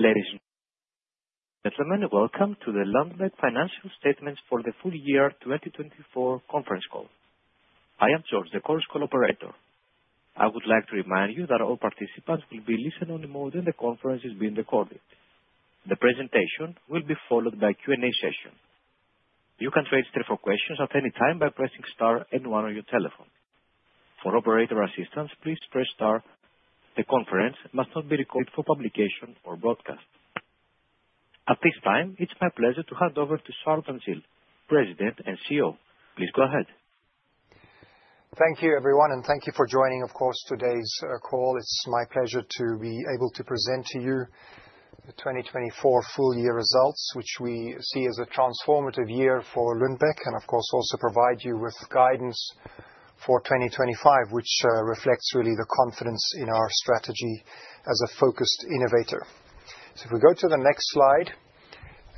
Ladies and gentlemen, welcome to the Lundbeck financial statement for the full year 2024 conference call. I am George, the conference operator. I would like to remind you that all participants will be in listen-only mode and the conference is being recorded. The presentation will be followed by a Q&A session. You can register for questions at any time by pressing star and one on your telephone. For operator assistance, please press star. The conference must not be recorded for publication or broadcast. At this time, it's my pleasure to hand over to Charl van Zyl, President and CEO. Please go ahead. Thank you, everyone, and thank you for joining, of course, today's call. It's my pleasure to be able to present to you the 2024 full-year results, which we see as a transformative year for Lundbeck, and of course, also provide you with guidance for 2025, which reflects really the confidence in our strategy as a focused innovator. If we go to the next slide,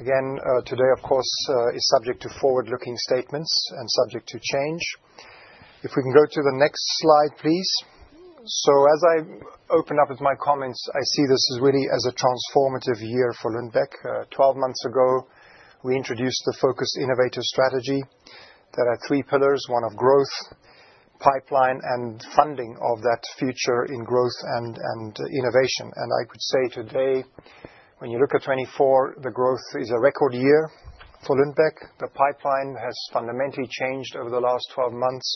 again, today, of course, is subject to forward-looking statements and subject to change. If we can go to the next slide, please. As I open up with my comments, I see this is really a transformative year for Lundbeck. Twelve months ago, we introduced the focused innovator strategy. There are three pillars: one of growth, pipeline, and funding of that future in growth and innovation. I could say today, when you look at 2024, the growth is a record year for Lundbeck. The pipeline has fundamentally changed over the last twelve months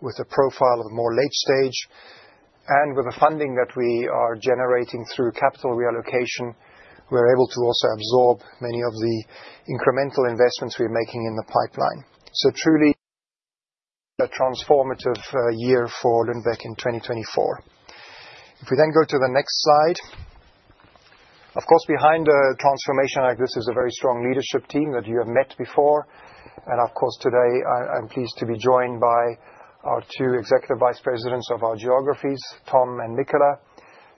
with a profile of more late stage, and with the funding that we are generating through capital reallocation, we're able to also absorb many of the incremental investments we are making in the pipeline. Truly a transformative year for Lundbeck in 2024. If we then go to the next slide, of course, behind a transformation like this is a very strong leadership team that you have met before. Of course, today I'm pleased to be joined by our two Executive Vice Presidents of our geographies, Tom and Michala.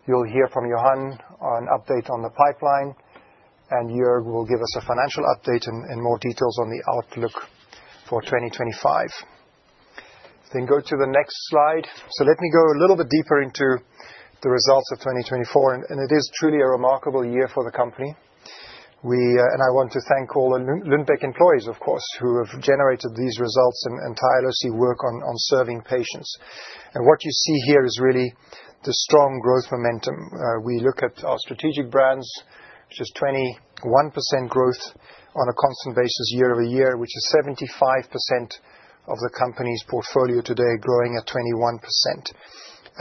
You'll hear from Johan an update on the pipeline, and Joerg will give us a financial update and more details on the outlook for 2025. If we then go to the next slide. So let me go a little bit deeper into the results of 2024, and it is truly a remarkable year for the company. We and I want to thank all the Lundbeck employees, of course, who have generated these results and tirelessly work on serving patients. And what you see here is really the strong growth momentum. We look at our strategic brands, which is 21% growth on a constant basis year-over-year, which is 75% of the company's portfolio today growing at 21%.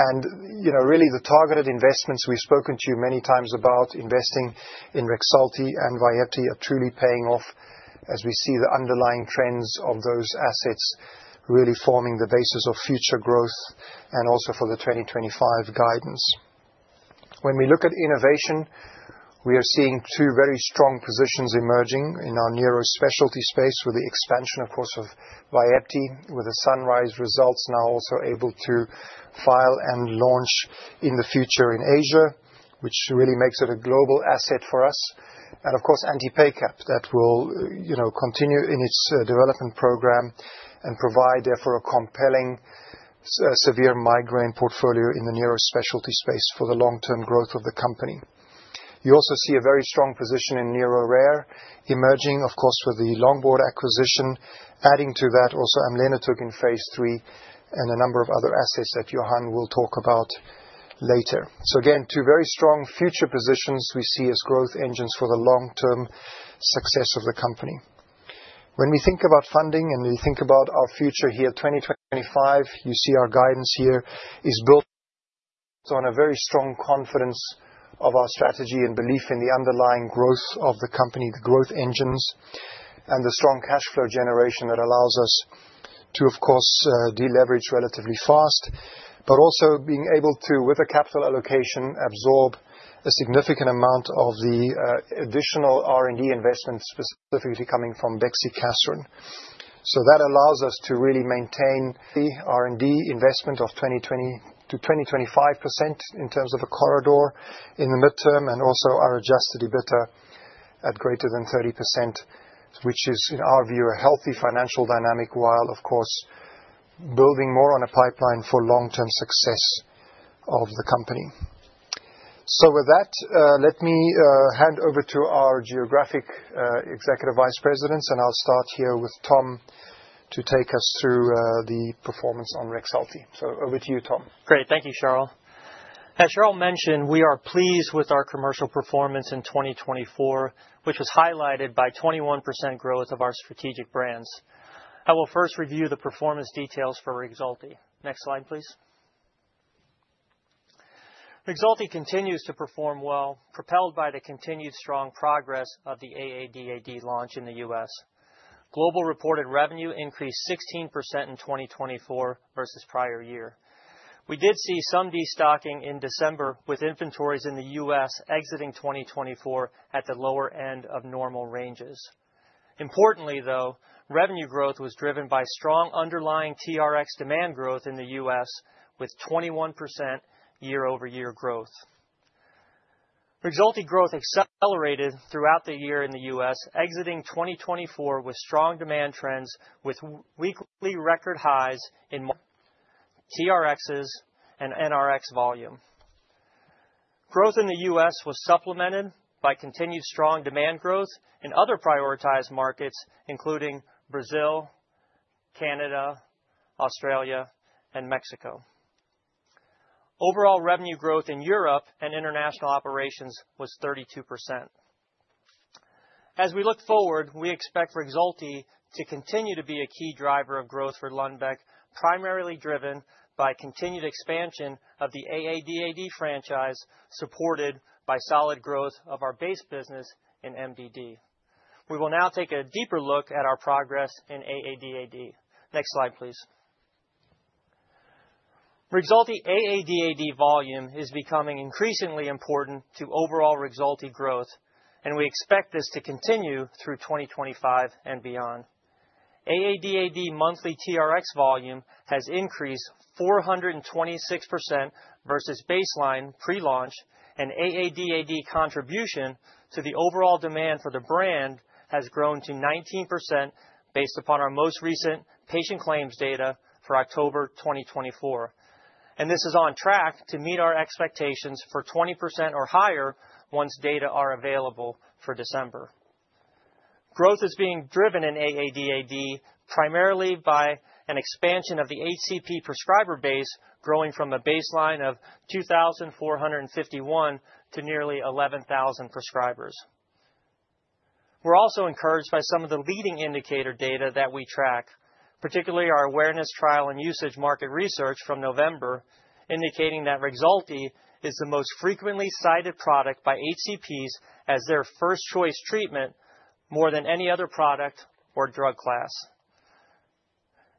And, you know, really the targeted investments we've spoken to you many times about investing in Rexulti and Vyepti are truly paying off as we see the underlying trends of those assets really forming the basis of future growth and also for the 2025 guidance. When we look at innovation, we are seeing two very strong positions emerging in our neurospecialty space with the expansion, of course, of Vyepti, with the SUNRISE results now also able to file and launch in the future in Asia, which really makes it a global asset for us. And of course, anti-PACAP that will, you know, continue in its development program and provide therefore a compelling severe migraine portfolio in the neurospecialty space for the long-term growth of the company. You also see a very strong position in NeuroRare emerging, of course, with the Longboard acquisition, adding to that also Amlenetug in phase III and a number of other assets that Johan will talk about later. So again, two very strong future positions we see as growth engines for the long-term success of the company. When we think about funding and we think about our future here 2025, you see our guidance here is built on a very strong confidence of our strategy and belief in the underlying growth of the company, the growth engines, and the strong cash flow generation that allows us to, of course, deleverage relatively fast, but also being able to, with a capital allocation, absorb a significant amount of the additional R&D investment specifically coming from Bexicaserin. So that allows us to really maintain R&D investment of 20%-25% in terms of a corridor in the midterm and also our adjusted EBITDA at greater than 30%, which is in our view a healthy financial dynamic while, of course, building more on a pipeline for long-term success of the company. So with that, let me hand over to our geographic executive vice presidents, and I'll start here with Tom to take us through the performance on Rexulti. So over to you, Tom. Great. Thank you, Charl. As Charl mentioned, we are pleased with our commercial performance in 2024, which was highlighted by 21% growth of our strategic brands. I will first review the performance details for Rexulti. Next slide, please. Rexulti continues to perform well, propelled by the continued strong progress of the AADAD launch in the U.S. Global reported revenue increased 16% in 2024 versus prior year. We did see some destocking in December, with inventories in the U.S. exiting 2024 at the lower end of normal ranges. Importantly, though, revenue growth was driven by strong underlying TRx demand growth in the U.S. with 21% year-over-year growth. Rexulti growth accelerated throughout the year in the U.S., exiting 2024 with strong demand trends with weekly record highs in TRxs and NRx volume. Growth in the U.S. was supplemented by continued strong demand growth in other prioritized markets, including Brazil, Canada, Australia, and Mexico. Overall revenue growth in Europe and international operations was 32%. As we look forward, we expect Rexulti to continue to be a key driver of growth for Lundbeck, primarily driven by continued expansion of the AADAD franchise supported by solid growth of our base business in MDD. We will now take a deeper look at our progress in AADAD. Next slide, please. Rexulti AADAD volume is becoming increasingly important to overall Rexulti growth, and we expect this to continue through 2025 and beyond. AADAD monthly TRx volume has increased 426% versus baseline pre-launch, and AADAD contribution to the overall demand for the brand has grown to 19% based upon our most recent patient claims data for October 2024. This is on track to meet our expectations for 20% or higher once data are available for December. Growth is being driven in AADAD primarily by an expansion of the HCP prescriber base growing from a baseline of 2,451 to nearly 11,000 prescribers. We're also encouraged by some of the leading indicator data that we track, particularly our awareness, trial, and usage market research from November, indicating that Rexulti is the most frequently cited product by HCPs as their first choice treatment more than any other product or drug class.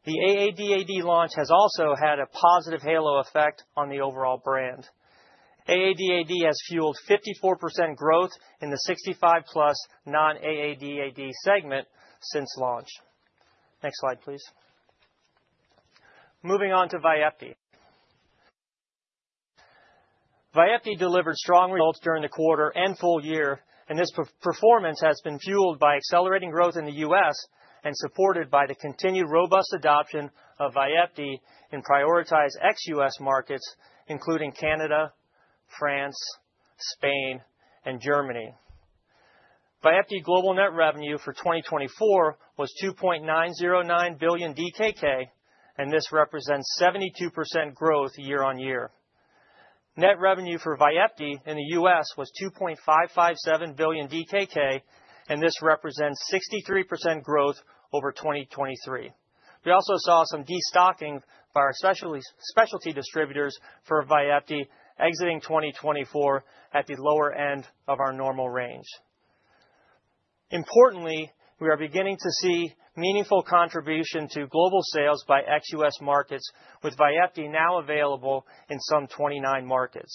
The AADAD launch has also had a positive halo effect on the overall brand. AADAD has fueled 54% growth in the 65 plus non-AADAD segment since launch. Next slide, please. Moving on to Vyepti. Vyepti delivered strong results during the quarter and full year, and this performance has been fueled by accelerating growth in the U.S. and supported by the continued robust adoption of Vyepti in prioritized ex-U.S. markets, including Canada, France, Spain, and Germany. Vyepti global net revenue for 2024 was 2.909 billion DKK, and this represents 72% growth year-on-year. Net revenue for Vyepti in the U.S. was 2.557 billion DKK, and this represents 63% growth over 2023. We also saw some destocking by our specialty distributors for Vyepti exiting 2024 at the lower end of our normal range. Importantly, we are beginning to see meaningful contribution to global sales by ex-U.S. markets, with Vyepti now available in some 29 markets.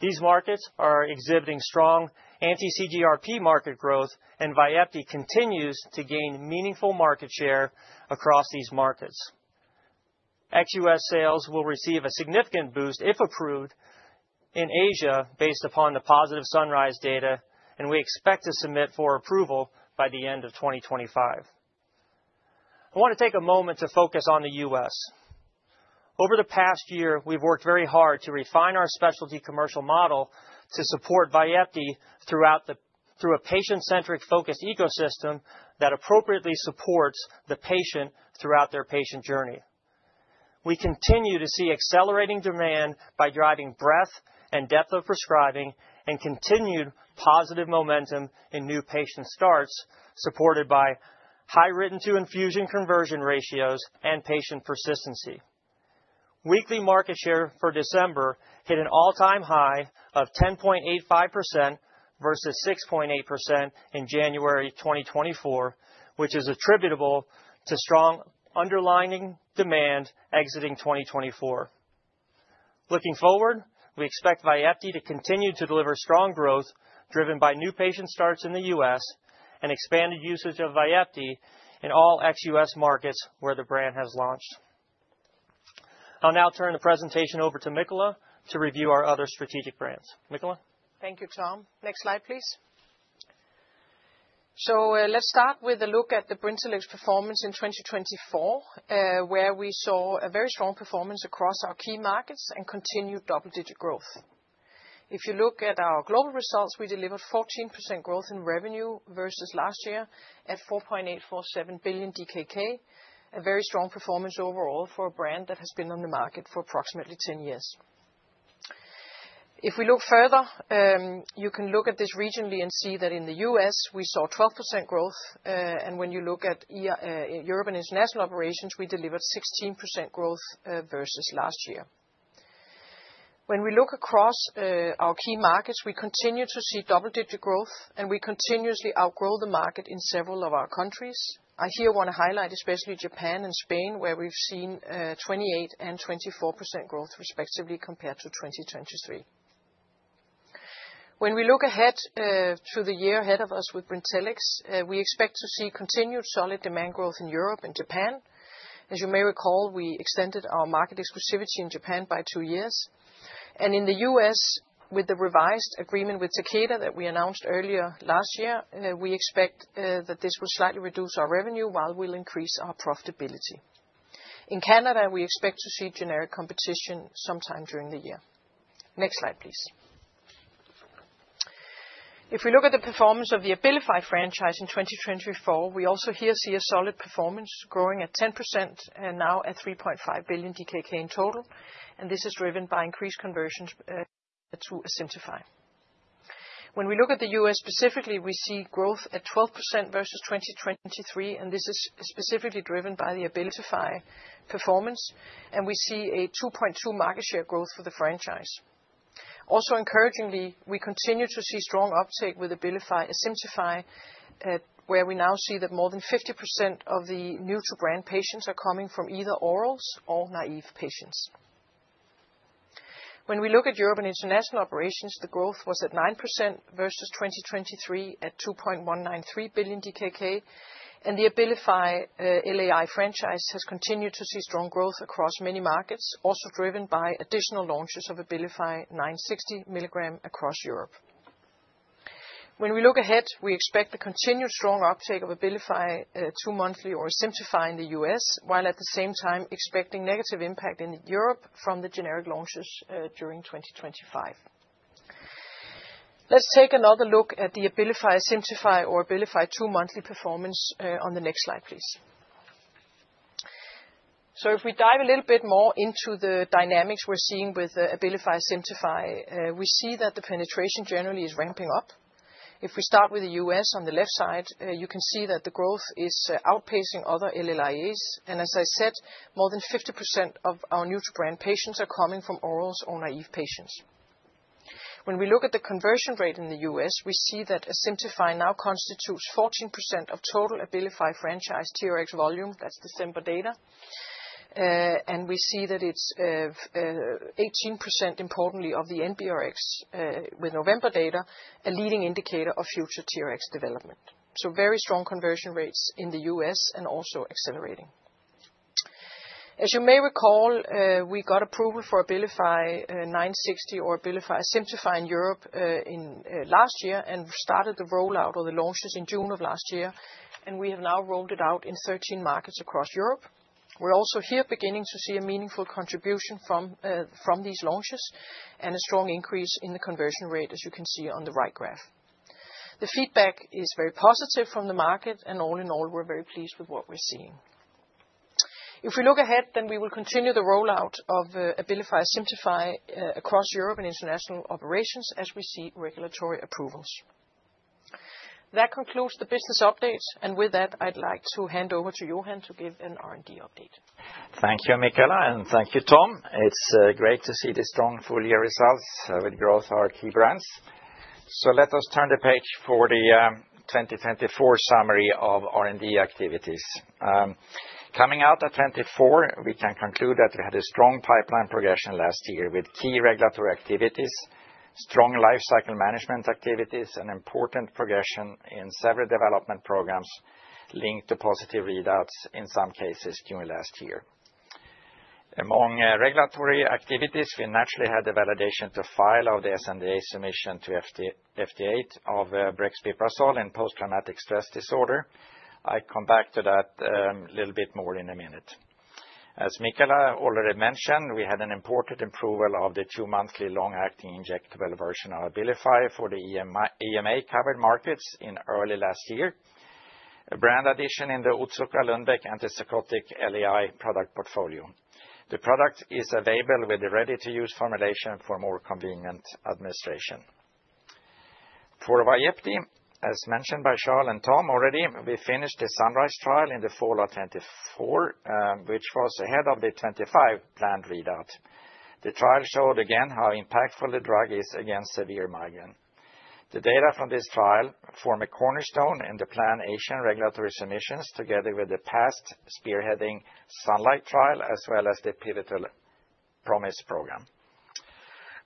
These markets are exhibiting strong anti-CGRP market growth, and Vyepti continues to gain meaningful market share across these markets. Ex-U.S. sales will receive a significant boost if approved in Asia based upon the positive SUNRISE data, and we expect to submit for approval by the end of 2025. I want to take a moment to focus on the U.S. Over the past year, we've worked very hard to refine our specialty commercial model to support Vyepti throughout the patient-centric focused ecosystem that appropriately supports the patient throughout their patient journey. We continue to see accelerating demand by driving breadth and depth of prescribing and continued positive momentum in new patient starts supported by high written-to-infusion conversion ratios and patient persistency. Weekly market share for December hit an all-time high of 10.85% versus 6.8% in January 2024, which is attributable to strong underlying demand exiting 2024. Looking forward, we expect Vyepti to continue to deliver strong growth driven by new patient starts in the US and expanded usage of Vyepti in all ex-U.S. markets where the brand has launched. I'll now turn the presentation over to Michala to review our other strategic brands. Michala. Thank you, Tom. Next slide, please. So let's start with a look at the Brintellix performance in 2024, where we saw a very strong performance across our key markets and continued double-digit growth. If you look at our global results, we delivered 14% growth in revenue versus last year at 4.847 billion DKK, a very strong performance overall for a brand that has been on the market for approximately 10 years. If we look further, you can look at this regionally and see that in the U.S., we saw 12% growth, and when you look at European international operations, we delivered 16% growth versus last year. When we look across our key markets, we continue to see double-digit growth, and we continuously outgrow the market in several of our countries. I here want to highlight especially Japan and Spain, where we've seen 28% and 24% growth respectively compared to 2023. When we look ahead to the year ahead of us with Brintellix, we expect to see continued solid demand growth in Europe and Japan. As you may recall, we extended our market exclusivity in Japan by two years. And in the U.S., with the revised agreement with Takeda that we announced earlier last year, we expect that this will slightly reduce our revenue while we'll increase our profitability. In Canada, we expect to see generic competition sometime during the year. Next slide, please. If we look at the performance of the Abilify franchise in 2024, we also here see a solid performance growing at 10% and now at 3.5 billion DKK in total, and this is driven by increased conversions to Asimtufii. When we look at the U.S. specifically, we see growth at 12% versus 2023, and this is specifically driven by the Abilify performance, and we see a 2.2 market share growth for the franchise. Also, encouragingly, we continue to see strong uptake with Abilify Asimtufii, where we now see that more than 50% of the new-to-brand patients are coming from either orals or naive patients. When we look at European international operations, the growth was at 9% versus 2023 at 2.193 billion DKK, and the Abilify LAI franchise has continued to see strong growth across many markets, also driven by additional launches of Abilify 960 milligram across Europe. When we look ahead, we expect the continued strong uptake of Abilify two-monthly or Asimtufii in the U.S., while at the same time expecting negative impact in Europe from the generic launches during 2025. Let's take another look at the Abilify Asimtufii or Abilify two-monthly performance on the next slide, please. So if we dive a little bit more into the dynamics we're seeing with Abilify Asimtufii, we see that the penetration generally is ramping up. If we start with the U.S. on the left side, you can see that the growth is outpacing other LAIs, and as I said, more than 50% of our new-to-brand patients are coming from orals or naive patients. When we look at the conversion rate in the U.S., we see that Asimtufii now constitutes 14% of total Abilify franchise TRX volume. That's December data, and we see that it's 18%, importantly, of the NBRx with November data, a leading indicator of future TRX development. So very strong conversion rates in the U.S. and also accelerating. As you may recall, we got approval for Abilify 960 or Abilify Asimtufii in Europe last year and started the rollout of the launches in June of last year, and we have now rolled it out in 13 markets across Europe. We're also here beginning to see a meaningful contribution from these launches and a strong increase in the conversion rate, as you can see on the right graph. The feedback is very positive from the market, and all in all, we're very pleased with what we're seeing. If we look ahead, then we will continue the rollout of Abilify Asimtufii across European international operations as we see regulatory approvals. That concludes the business update, and with that, I'd like to hand over to Johan to give an R&D update. Thank you, Michala, and thank you, Tom. It's great to see the strong full-year results with growth of our key brands. Let us turn the page for the 2024 summary of R&D activities. Coming out of 2024, we can conclude that we had a strong pipeline progression last year with key regulatory activities, strong life cycle management activities, and important progression in several development programs linked to positive readouts in some cases during last year. Among regulatory activities, we naturally had the validation to file of the sNDA submission to FDA of brexpiprazole and post-traumatic stress disorder. I'll come back to that a little bit more in a minute. As Michala already mentioned, we had an important approval of the two-monthly long-acting injectable version of Abilify for the EMA-covered markets in early last year, a brand addition in the Otsuka Lundbeck antipsychotic LAI product portfolio. The product is available with a ready-to-use formulation for more convenient administration. For Vyepti, as mentioned by Charl and Tom already, we finished the SUNRISE trial in the fall of 2024, which was ahead of the 2025 planned readout. The trial showed again how impactful the drug is against severe migraine. The data from this trial form a cornerstone in the planned Asian regulatory submissions together with the past spearheading SUNLIGHT trial as well as the pivotal PROMISE program.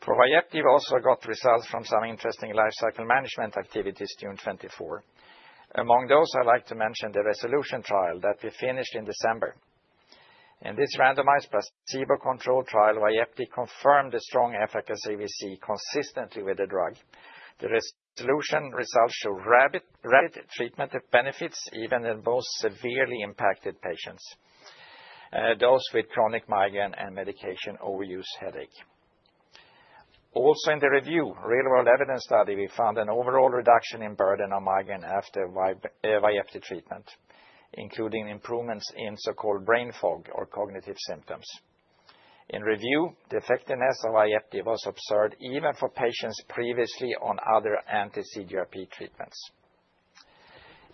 For Vyepti, we also got results from some interesting life cycle management activities during 2024. Among those, I'd like to mention the RESOLUTION trial that we finished in December. In this randomized placebo-controlled trial, Vyepti confirmed the strong efficacy we see consistently with the drug. The RESOLUTION results showed rapid treatment benefits even in both severely impacted patients, those with chronic migraine and medication overuse headache. Also, in the REWIND real-world evidence study, we found an overall reduction in burden of migraine after Vyepti treatment, including improvements in so-called brain fog or cognitive symptoms. In REWIND, the effectiveness of Vyepti was observed even for patients previously on other anti-CGRP treatments.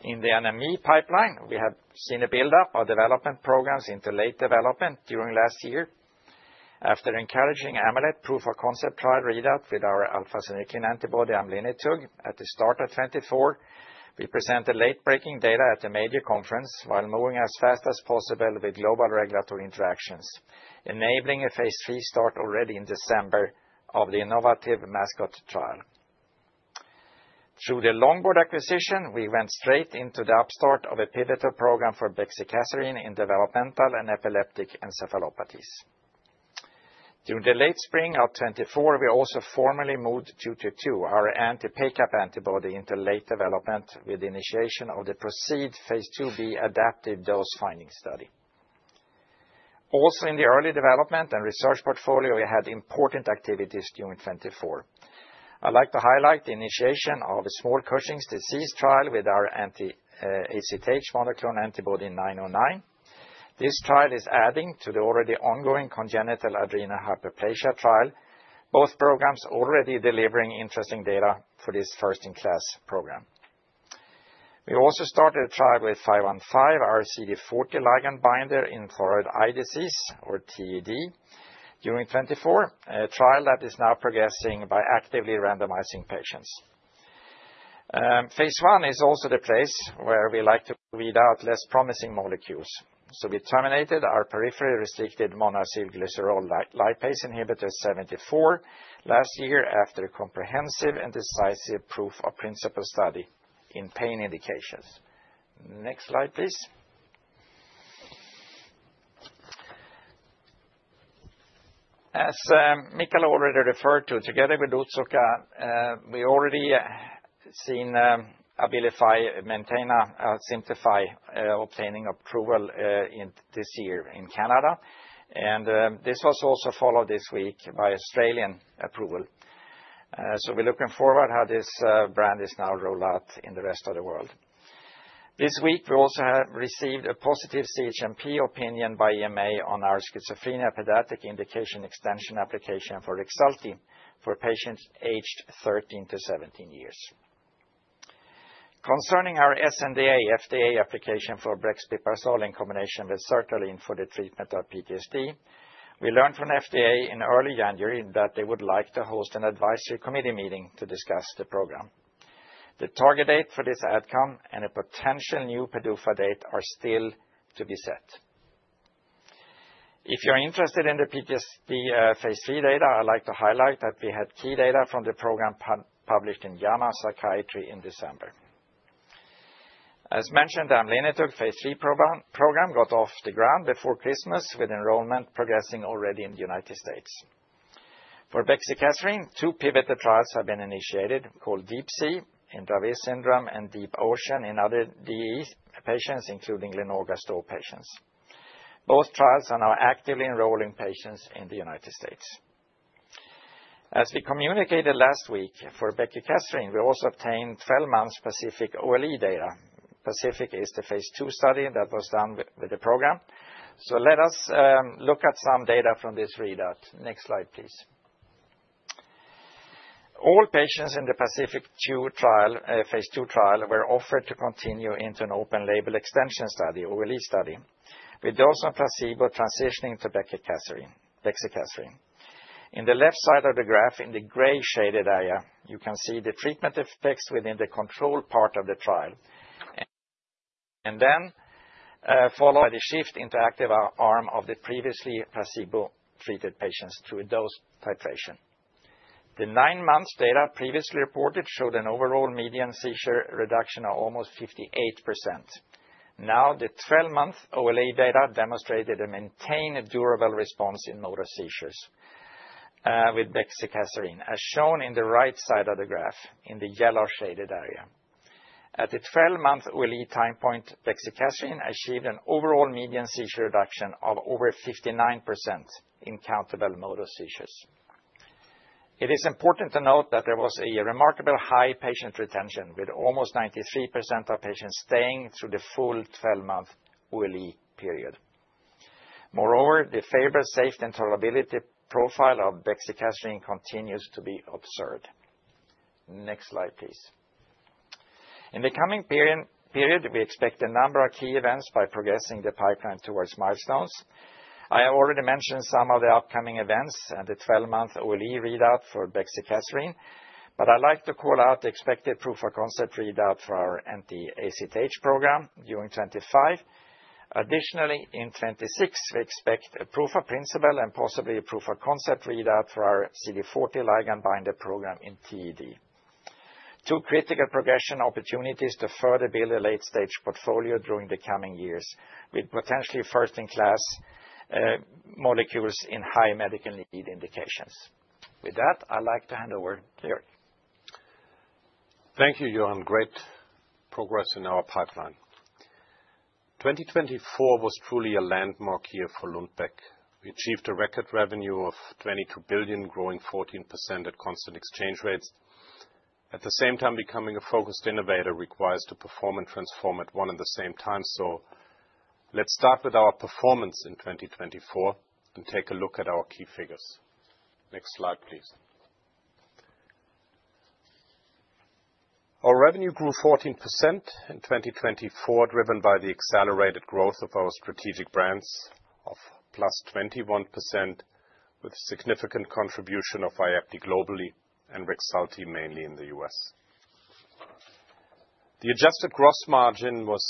In the NME pipeline, we have seen a build-up of development programs into late development during last year. After encouraging AMULET proof-of-concept trial readout with our alpha-synuclein antibody Amlenetug at the start of 2024, we presented late-breaking data at a major conference while moving as fast as possible with global regulatory interactions, enabling a phase III start already in December of the innovative MSA trial. Through the Longboard acquisition, we went straight into the outset of a pivotal program for Bexicaserin in developmental and epileptic encephalopathies. During the late spring of 2024, we also formally moved Q22, our anti-PACAP antibody, into late development with the initiation of the PROCEED Phase II-B adaptive dose-finding study. Also, in the early development and research portfolio, we had important activities during 2024. I'd like to highlight the initiation of a small Cushing's disease trial with our anti-ACTH monoclonal antibody 909. This trial is adding to the already ongoing congenital adrenal hyperplasia trial, both programs already delivering interesting data for this first-in-class program. We also started a trial with 515 anti-CD40L antibody in thyroid eye disease, or TED, during 2024, a trial that is now progressing by actively randomizing patients. Phase I is also the place where we like to read out less promising molecules, so we terminated our periphery-restricted monoacylglycerol lipase inhibitor 74 last year after a comprehensive and decisive proof-of-principle study in pain indications. Next slide, please. As Michala already referred to, together with Otsuka, we already seen Abilify Maintena Asimtufii obtaining approval this year in Canada, and this was also followed this week by Australian approval. We're looking forward to how this brand is now rolled out in the rest of the world. This week, we also have received a positive CHMP opinion by EMA on our schizophrenia pediatric indication extension application for Rexulti for patients aged 13-17 years. Concerning our sNDA FDA application for brexpiprazole in combination with sertraline for the treatment of PTSD, we learned from FDA in early January that they would like to host an advisory committee meeting to discuss the program. The target date for this outcome and a potential new PDUFA date are still to be set. If you're interested in the PTSD phase III data, I'd like to highlight that we had key data from the program published in JAMA Psychiatry in December. As mentioned, the Amlenetug phase III program got off the ground before Christmas, with enrollment progressing already in the United States. For Bexicaserin, two pivotal trials have been initiated called DEEP SEA in Dravet syndrome and DEEP OCEAN in other DE patients, including Lennox-Gastaut patients. Both trials are now actively enrolling patients in the United States. As we communicated last week, for Bexicaserin, we also obtained 12-month PACIFIC OLE data. PACIFIC is the phase II study that was done with the program. So let us look at some data from this readout. Next slide, please. All patients in the PACIFIC phase II trial were offered to continue into an open label extension study or OLE study with dose of placebo transitioning to Bexicaserin. In the left side of the graph, in the gray shaded area, you can see the treatment effects within the control part of the trial, and then followed by the shift into active arm of the previously placebo-treated patients through dose titration. The nine-month data previously reported showed an overall median seizure reduction of almost 58%. Now, the 12-month OLE data demonstrated a maintained durable response in motor seizures with Bexicaserin, as shown in the right side of the graph in the yellow shaded area. At the 12-month OLE time point, Bexicaserin achieved an overall median seizure reduction of over 59% in countable motor seizures. It is important to note that there was a remarkable high patient retention with almost 93% of patients staying through the full 12-month OLE period. Moreover, the favorable safety and tolerability profile of Bexicaserin continues to be observed. Next slide, please. In the coming period, we expect a number of key events by progressing the pipeline towards milestones. I already mentioned some of the upcoming events and the 12-month OLE readout for Bexicaserin, but I'd like to call out the expected proof-of-concept readout for our anti-ACTH program during 2025. Additionally, in 2026, we expect a proof-of-principle and possibly a proof-of-concept readout for our CD40 ligand binder program in TED. Two critical progression opportunities to further build a late-stage portfolio during the coming years with potentially first-in-class molecules in high medical need indications. With that, I'd like to hand over to Joerg. Thank you, Johan. Great progress in our pipeline. 2024 was truly a landmark year for Lundbeck. We achieved a record revenue of 22 billion, growing 14% at constant exchange rates. At the same time, becoming a focused innovator requires to perform and transform at one and the same time. So let's start with our performance in 2024 and take a look at our key figures. Next slide, please. Our revenue grew 14% in 2024, driven by the accelerated growth of our strategic brands of plus 21% with significant contribution of Vyepti globally and Rexulti, mainly in the U.S. The adjusted gross margin was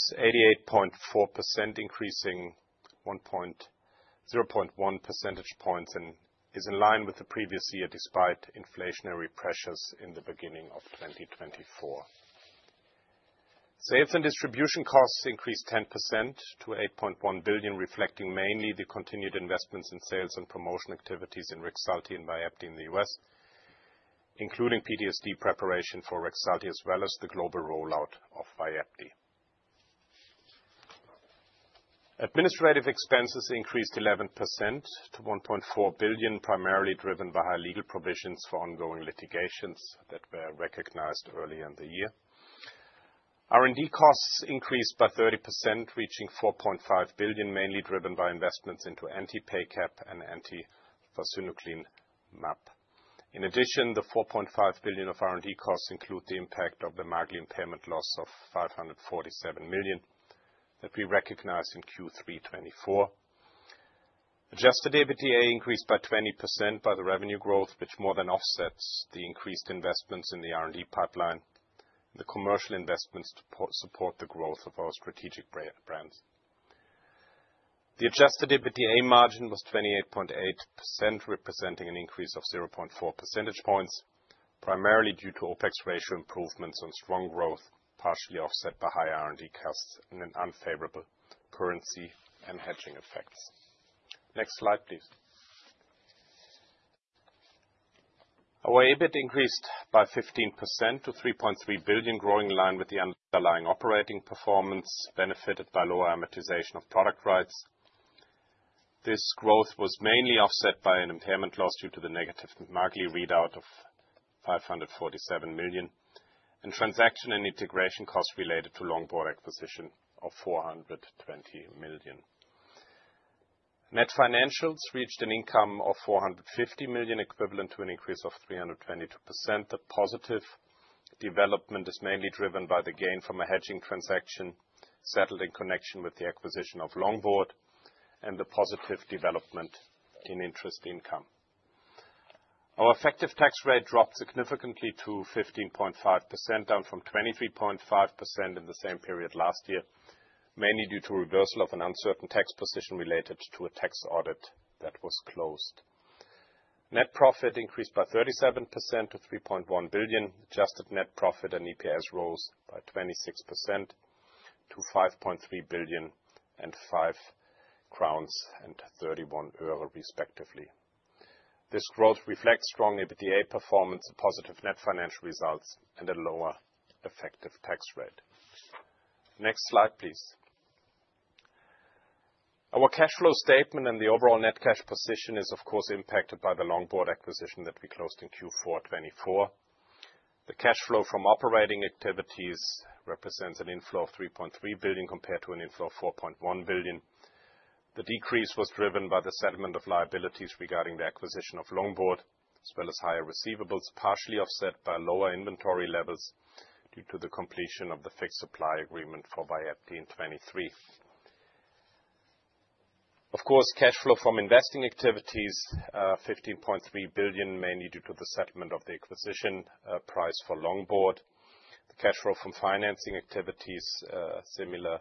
88.4%, increasing 0.1 percentage points and is in line with the previous year despite inflationary pressures in the beginning of 2024. Sales and distribution costs increased 10% to 8.1 billion, reflecting mainly the continued investments in sales and promotion activities in Rexulti and Vyepti in the US, including PTSD preparation for Rexulti as well as the global rollout of Vyepti. Administrative expenses increased 11% to 1.4 billion, primarily driven by high legal provisions for ongoing litigations that were recognized earlier in the year. R&D costs increased by 30%, reaching 4.5 billion, mainly driven by investments into anti-PACAP and anti-alpha-synuclein MSA. In addition, the 4.5 billion of R&D costs include the impact of the milestone payment loss of 547 million that we recognized in Q3 2024. Adjusted EBITDA increased by 20% by the revenue growth, which more than offsets the increased investments in the R&D pipeline and the commercial investments to support the growth of our strategic brands. The adjusted EBITDA margin was 28.8%, representing an increase of 0.4 percentage points, primarily due to OpEx ratio improvements on strong growth, partially offset by high R&D costs and unfavorable currency and hedging effects. Next slide, please. Our EBIT increased by 15% to 3.3 billion, growing in line with the underlying operating performance benefited by lower amortization of product rights. This growth was mainly offset by an impairment loss due to the negative monthly readout of 547 million and transaction and integration costs related to Longboard acquisition of 420 million. Net financials reached an income of 450 million equivalent to an increase of 322%. The positive development is mainly driven by the gain from a hedging transaction settled in connection with the acquisition of Longboard and the positive development in interest income. Our effective tax rate dropped significantly to 15.5%, down from 23.5% in the same period last year, mainly due to reversal of an uncertain tax position related to a tax audit that was closed. Net profit increased by 37% to 3.1 billion. Adjusted net profit and EPS rose by 26% to 5.3 billion and DKK 5.31, respectively. This growth reflects strong EBITDA performance, positive net financial results, and a lower effective tax rate. Next slide, please. Our cash flow statement and the overall net cash position is, of course, impacted by the Longboard acquisition that we closed in Q4 2024. The cash flow from operating activities represents an inflow of 3.3 billion compared to an inflow of 4.1 billion. The decrease was driven by the settlement of liabilities regarding the acquisition of Longboard, as well as higher receivables, partially offset by lower inventory levels due to the completion of the fixed supply agreement for Vyepti in 2023. Of course, cash flow from investing activities, 15.3 billion, mainly due to the settlement of the acquisition price for Longboard. The cash flow from financing activities, similar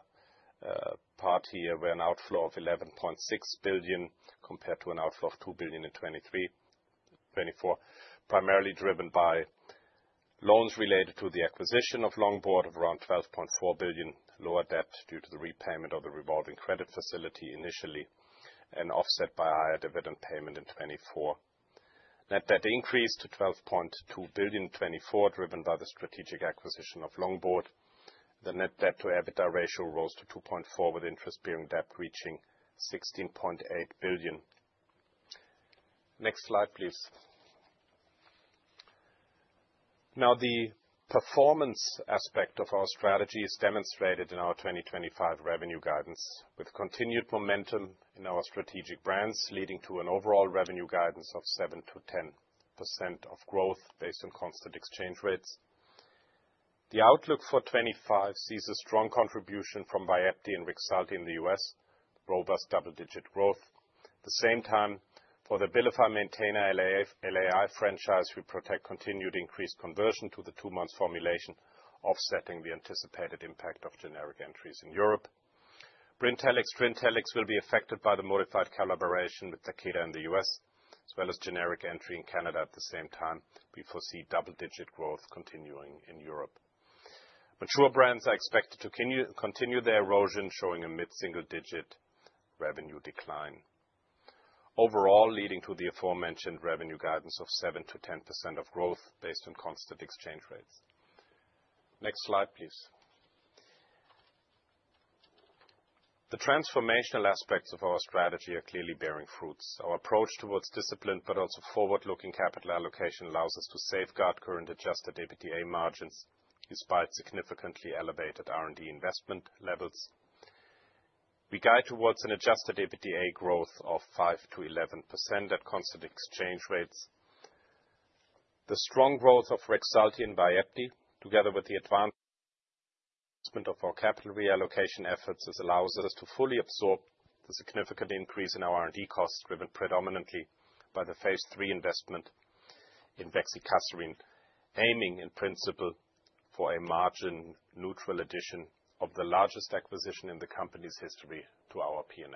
part here, were an outflow of 11.6 billion compared to an outflow of 2 billion in 2023. In 2024, primarily driven by loans related to the acquisition of Longboard of around 12.4 billion, lower debt due to the repayment of the revolving credit facility initially and offset by higher dividend payment in 2024. Net debt increased to 12.2 billion in 2024, driven by the strategic acquisition of Longboard. The net debt to EBITDA ratio rose to 2.4 with interest-bearing debt reaching 16.8 billion. Next slide, please. Now, the performance aspect of our strategy is demonstrated in our 2025 revenue guidance with continued momentum in our strategic brands, leading to an overall revenue guidance of 7%-10% growth based on constant exchange rates. The outlook for 2025 sees a strong contribution from Vyepti and Rexulti in the U.S., robust double-digit growth. At the same time, for the Abilify Maintena LAI franchise, we expect continued increased conversion to the two-month formulation, offsetting the anticipated impact of generic entries in Europe. Brintellix/Trintellix will be affected by the modified collaboration with Takeda in the U.S., as well as generic entry in Canada at the same time. We foresee double-digit growth continuing in Europe. Mature brands are expected to continue their erosion, showing a mid-single-digit revenue decline, overall leading to the aforementioned revenue guidance of 7%-10% growth based on constant exchange rates. Next slide, please. The transformational aspects of our strategy are clearly bearing fruits. Our approach towards disciplined but also forward-looking capital allocation allows us to safeguard current adjusted EBITDA margins despite significantly elevated R&D investment levels. We guide towards an adjusted EBITDA growth of 5%-11% at constant exchange rates. The strong growth of Rexulti and Vyepti, together with the advancement of our capital reallocation efforts, allows us to fully absorb the significant increase in our R&D costs, driven predominantly by the phase III investment in Bexicaserin, aiming in principle for a margin-neutral addition of the largest acquisition in the company's history to our P&L.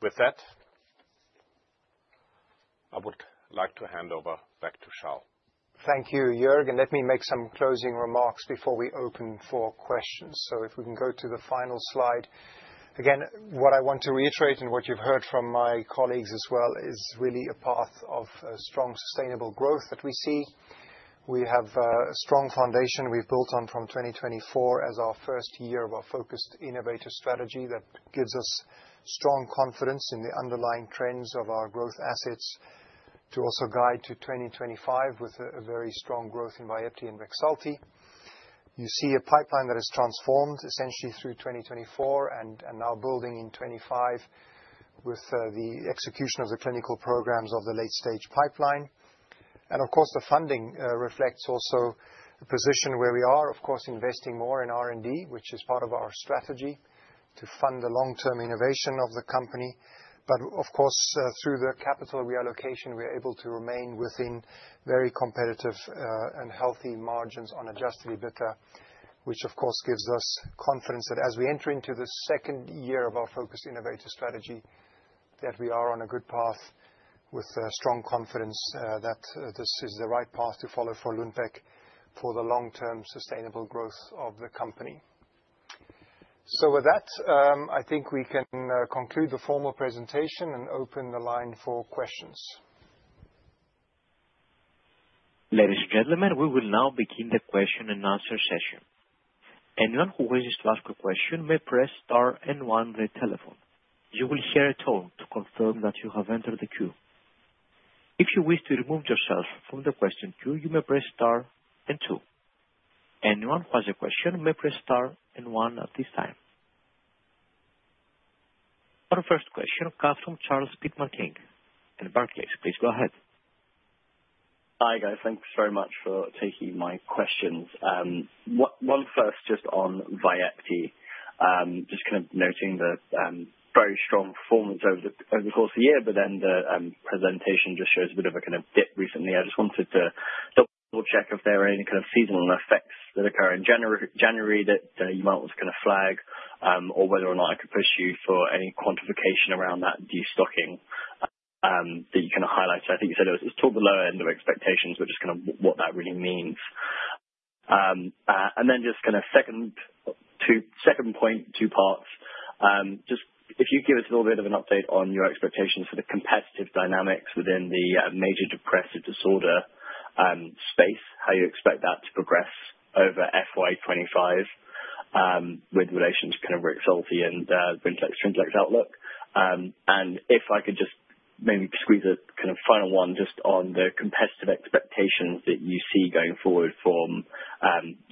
With that, I would like to hand over back to Charl. Thank you, Joerg, and let me make some closing remarks before we open for questions, so if we can go to the final slide. Again, what I want to reiterate and what you've heard from my colleagues as well is really a path of strong sustainable growth that we see. We have a strong foundation we've built on from 2024 as our first year of our focused innovator strategy that gives us strong confidence in the underlying trends of our growth assets to also guide to 2025 with a very strong growth in Vyepti and Rexulti. You see a pipeline that has transformed essentially through 2024 and now building in 2025 with the execution of the clinical programs of the late-stage pipeline. Of course, the funding reflects also the position where we are, of course, investing more in R&D, which is part of our strategy to fund the long-term innovation of the company. Of course, through the capital reallocation, we are able to remain within very competitive and healthy margins on adjusted EBITDA, which of course gives us confidence that as we enter into the second year of our focused innovator strategy, that we are on a good path with strong confidence that this is the right path to follow for Lundbeck for the long-term sustainable growth of the company. With that, I think we can conclude the formal presentation and open the line for questions. Ladies and gentlemen, we will now begin the question and answer session. Anyone who wishes to ask a question may press star and one on the telephone. You will hear a tone to confirm that you have entered the queue. If you wish to remove yourself from the question queue, you may press star and two. Anyone who has a question may press star and one at this time. Our first question comes from Charles Pitman-King at Barclays. Please go ahead. Hi, guys. Thanks very much for taking my questions. One first just on Vyepti. Just kind of noting the very strong performance over the course of the year, but then the presentation just shows a bit of a kind of dip recently. I just wanted to double-check if there are any kind of seasonal effects that occur in January that you might want to kind of flag or whether or not I could push you for any quantification around that de-stocking that you kind of highlighted. I think you said it was toward the lower end of expectations, which is kind of what that really means. And then just kind of second point, two parts. Just if you could give us a little bit of an update on your expectations for the competitive dynamics within the major depressive disorder space, how you expect that to progress over FY25 with relation to kind of Rexulti and Brintellix/Trintellix outlook, and if I could just maybe squeeze a kind of final one just on the competitive expectations that you see going forward from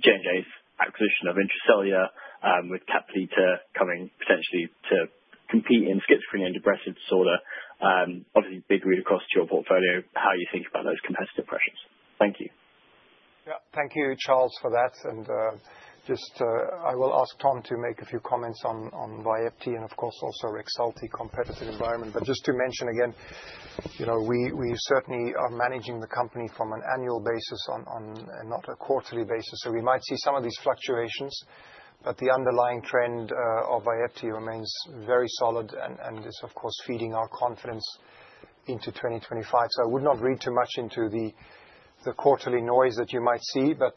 J&J's acquisition of Intra-Cellular with Caplyta coming potentially to compete in schizophrenia and depressive disorder, obviously big root across to your portfolio, how you think about those competitive pressures? Thank you. Yeah, thank you, Charles, for that, and just I will ask Tom to make a few comments on Vyepti and, of course, also Rexulti, competitive environment, but just to mention again, we certainly are managing the company from an annual basis and not a quarterly basis, so we might see some of these fluctuations, but the underlying trend of Vyepti remains very solid and is, of course, feeding our confidence into 2025, so I would not read too much into the quarterly noise that you might see, but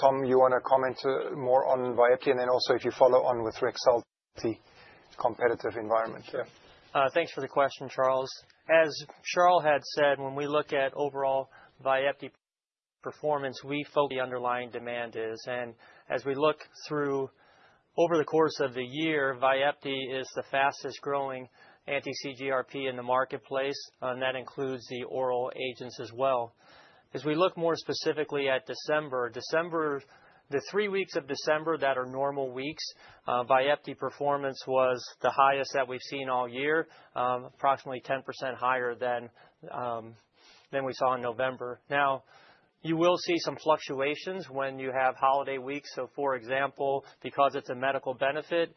Tom, you want to comment more on Vyepti and then also if you follow on with Rexulti competitive environment here. Thanks for the question, Charles. As Charl had said, when we look at overall Vyepti performance, we focus on the underlying demand. And as we look through over the course of the year, Vyepti is the fastest growing anti-CGRP in the marketplace, and that includes the oral agents as well. As we look more specifically at December, the three weeks of December that are normal weeks, Vyepti performance was the highest that we've seen all year, approximately 10% higher than we saw in November. Now, you will see some fluctuations when you have holiday weeks. So, for example, because it's a medical benefit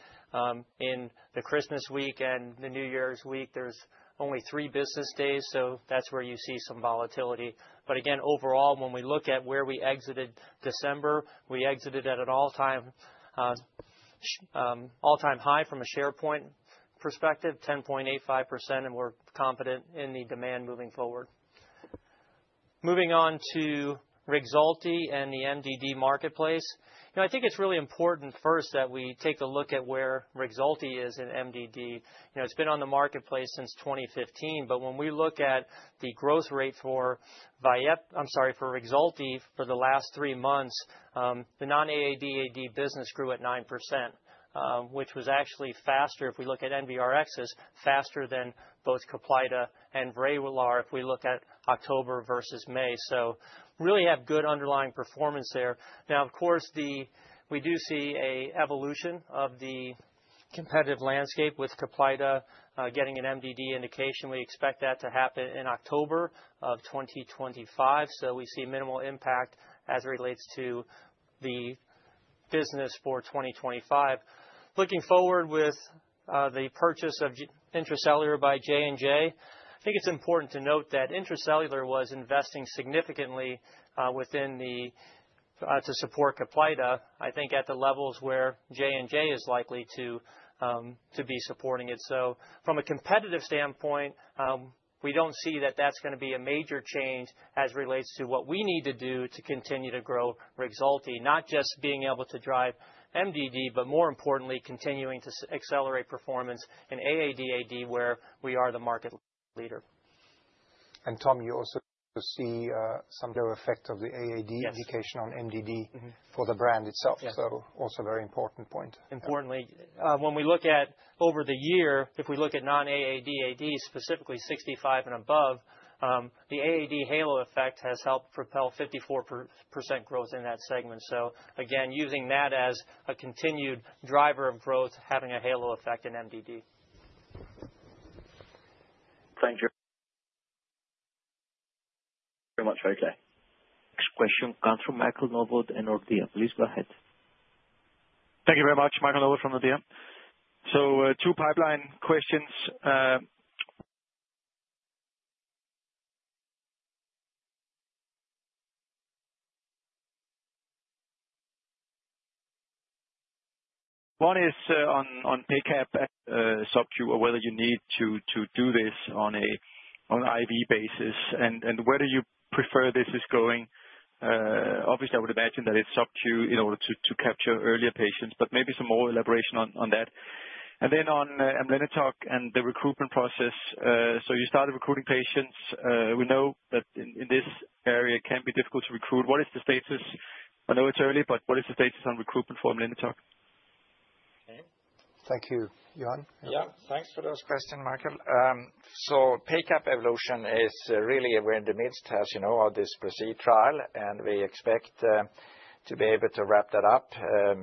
in the Christmas week and the New Year's week, there's only three business days. So that's where you see some volatility. But again, overall, when we look at where we exited December, we exited at an all-time high from a share price perspective, 10.85%, and we're confident in the demand moving forward. Moving on to Rexulti and the MDD marketplace. I think it's really important first that we take a look at where Rexulti is in MDD. It's been on the marketplace since 2015, but when we look at the growth rate for Rexulti for the last three months, the non-AADAD business grew at 9%, which was actually faster, if we look at NBRx, faster than both Caplyta and Vraylar if we look at October versus May. So really have good underlying performance there. Now, of course, we do see an evolution of the competitive landscape with Caplyta getting an MDD indication. We expect that to happen in October of 2025. So we see minimal impact as it relates to the business for 2025. Looking forward with the purchase of Intra-Cellular by J&J, I think it's important to note that Intra-Cellular was investing significantly within the support Caplyta, I think at the levels where J&J is likely to be supporting it. So from a competitive standpoint, we don't see that that's going to be a major change as it relates to what we need to do to continue to grow Rexulti, not just being able to drive MDD, but more importantly, continuing to accelerate performance in AADAD where we are the market leader. Tom, you also see some effect of the AAD indication on MDD for the brand itself. Also very important point. Importantly, when we look at over the year, if we look at non-AADAD, specifically 65 and above, the AADAD halo effect has helped propel 54% growth in that segment. So again, using that as a continued driver of growth, having a halo effect in MDD. Thank you very much. Okay. Next question comes from Michael Noble and Nordea. Please go ahead. Thank you very much, Michael Noble from Nordea. So two pipeline questions. One is on PACAP SubQ or whether you need to do this on an IV basis and whether you prefer this is going. Obviously, I would imagine that it's SubQ in order to capture earlier patients, but maybe some more elaboration on that. And then on Amlenetug and the recruitment process. So you started recruiting patients. We know that in this area it can be difficult to recruit. What is the status? I know it's early, but what is the status on recruitment for Amlenetug? Thank you. Johan? Yeah. Thanks for those questions, Michael, so PACAP evolution is really, we're in the midst as you know of this phase III trial, and we expect to be able to wrap that up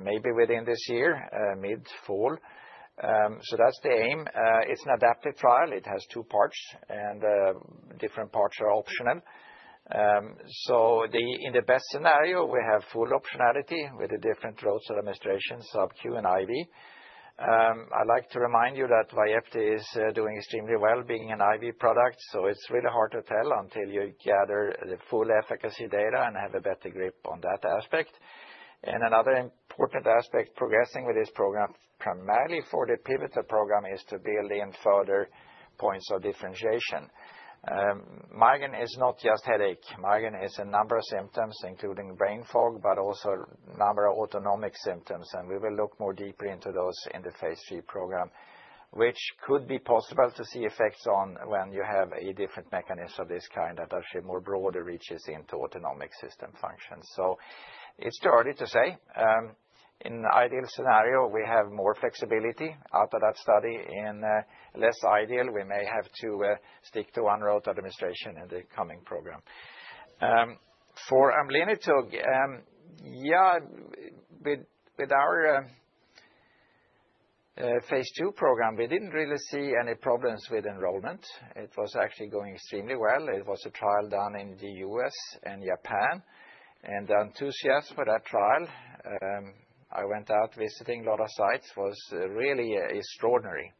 maybe within this year, mid-fall, so that's the aim. It's an adaptive trial. It has two parts, and different parts are optional, so in the best scenario, we have full optionality with the different routes of administration, SubQ and IV. I'd like to remind you that Vyepti is doing extremely well being an IV product, so it's really hard to tell until you gather the full efficacy data and have a better grip on that aspect, and another important aspect progressing with this program, primarily for the pivotal program, is to build in further points of differentiation. Migraine is not just headache. Migraine is a number of symptoms, including brain fog, but also a number of autonomic symptoms. And we will look more deeply into those in the phase III program, which could be possible to see effects on when you have a different mechanism of this kind that actually more broadly reaches into autonomic system functions. So it's too early to say. In an ideal scenario, we have more flexibility out of that study. In a less ideal, we may have to stick to one route of administration in the coming program. For Amlenetug, yeah, with our phase II program, we didn't really see any problems with enrollment. It was actually going extremely well. It was a trial done in the U.S. and Japan. And the enthusiasm for that trial, I went out visiting a lot of sites, was really extraordinary.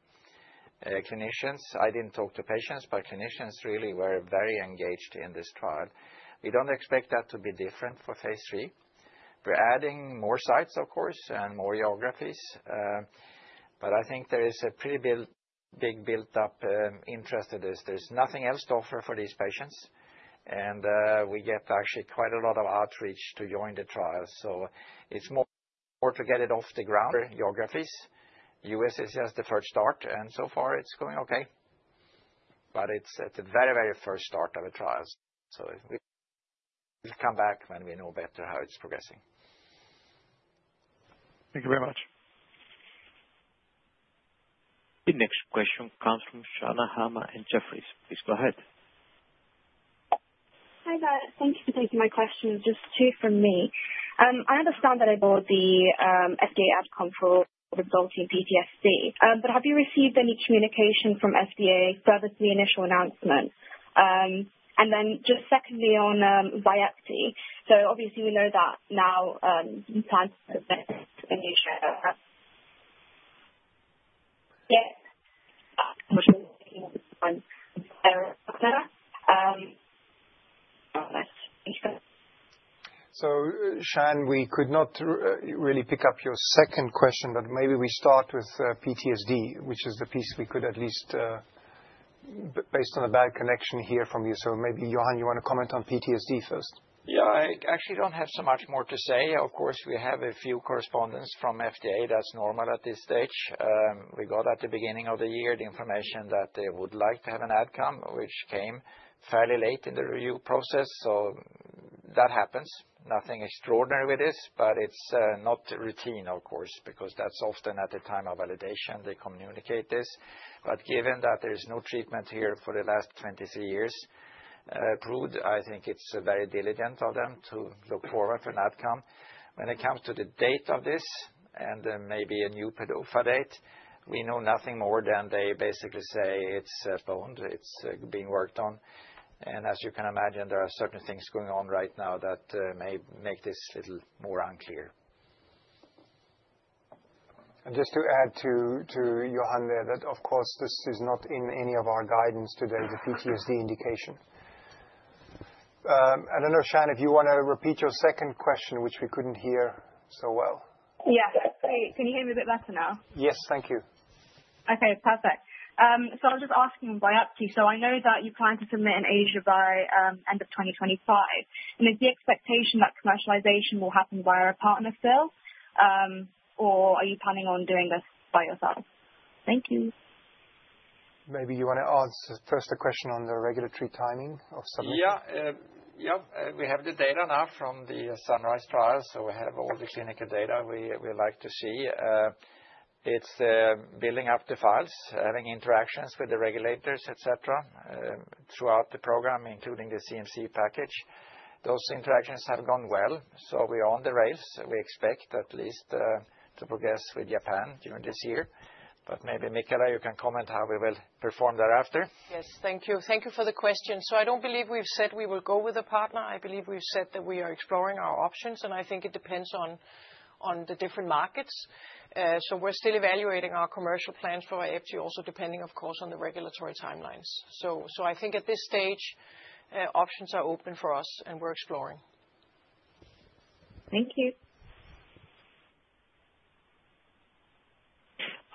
Clinicians, I didn't talk to patients, but clinicians really were very engaged in this trial. We don't expect that to be different for phase III. We're adding more sites, of course, and more geographies. But I think there is a pretty big built-up interest in this. There's nothing else to offer for these patients. And we get actually quite a lot of outreach to join the trial. So it's more to get it off the ground. Geographies. The U.S. is just the third start. And so far, it's going okay. But it's a very, very first start of a trial. So we'll come back when we know better how it's progressing. Thank you very much. Next question comes from Shan Hama at Jefferies. Please go ahead. Hi, thank you for taking my question. Just two from me. I understand that. For the FDA outcome for Rexulti and PTSD. But have you received any communication from FDA further to the initial announcement? And then just secondly on Vyepti. So obviously, we know that now plans are in Asia So, Shan, we could not really pick up your second question, but maybe we start with PTSD, which is the piece we could at least, based on the bad connection here from you. So maybe Johan, you want to comment on PTSD first? Yeah, I actually don't have so much more to say. Of course, we have a few correspondents from FDA. That's normal at this stage. We got at the beginning of the year the information that they would like to have an outcome, which came fairly late in the review process. So that happens. Nothing extraordinary with this, but it's not routine, of course, because that's often at the time of validation they communicate this. But given that there is no treatment here for the last 23 years approved, I think it's very diligent of them to look forward for an outcome. When it comes to the date of this and maybe a new PDUFA date, we know nothing more than they basically say it's postponed, it's being worked on, and as you can imagine, there are certain things going on right now that may make this a little more unclear. And just to add to Johan there that, of course, this is not in any of our guidance today, the PTSD indication. I don't know, Shan, if you want to repeat your second question, which we couldn't hear so well. Yes. Can you hear me a bit better now? Yes, thank you. Okay, perfect. So I was just asking Vyepti. So I know that you plan to submit in Asia by end of 2025. And is the expectation that commercialization will happen via a partner sale? Or are you planning on doing this by yourself? Thank you. Maybe you want to answer first the question on the regulatory timing of submission? Yeah. We have the data now from the SUNRISE trial. So we have all the clinical data we'd like to see. It's building up the files, having interactions with the regulators, etc., throughout the program, including the CMC package. Those interactions have gone well. So we are on the rails. We expect at least to progress with Japan during this year. But maybe Michala, you can comment how we will perform thereafter. Yes, thank you. Thank you for the question. I don't believe we've said we will go with a partner. I believe we've said that we are exploring our options. I think it depends on the different markets. We're still evaluating our commercial plans for Vyepti, also depending, of course, on the regulatory timelines. I think at this stage, options are open for us and we're exploring. Thank you.